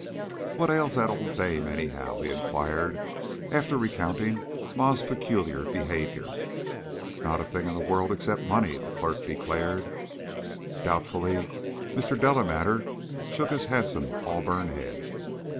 "What ails that old dame, anyhow?" he inquired, after recounting Ma's peculiar behavior. "Not a thing in the world except money," the clerk declared. Doubtfully Mr. Delamater shook his handsome auburn head.